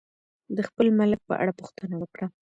د خپل ملک په اړه پوښتنه وکړه.